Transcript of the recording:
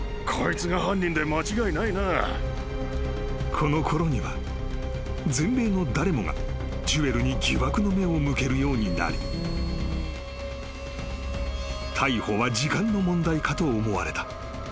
［このころには全米の誰もがジュエルに疑惑の目を向けるようになり逮捕は時間の問題かと思われた］